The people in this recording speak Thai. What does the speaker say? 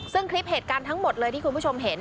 ซึ่งคลิปเหตุการณ์ทั้งหมดเลยที่คุณผู้ชมเห็น